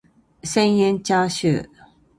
千円チャーシュー